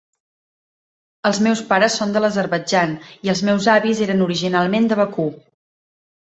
Els meus pares són de l'Azerbaidjan, i els meus avis eren originalment de Bakú.